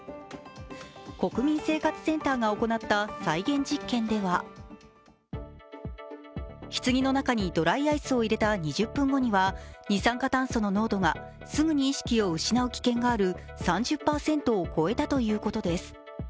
国民生活センターが行った再現実験では棺の中にドライアイスを入れた２０分後には二酸化炭素の濃度がすぐに意識を失う危険がある３０％を超えたということです。